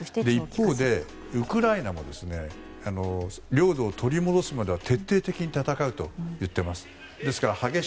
一方で、ウクライナも領土を取り戻すまでは徹底的に戦うといっています。